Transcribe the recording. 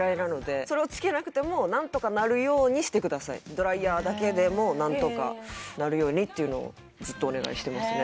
ドライヤーだけでも何とかなるようにっていうのをずっとお願いしてますね